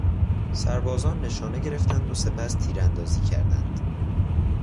سربازان نشانه گرفتند و سپس تیراندازی کردند.